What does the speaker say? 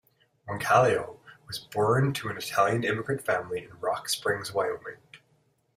Roncalio was born to an Italian immigrant family in Rock Springs, Wyoming.